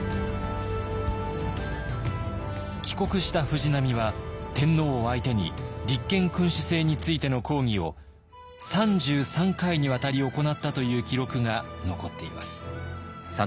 帰国した藤波は天皇を相手に立憲君主制についての講義を３３回にわたり行ったという記録が残っています。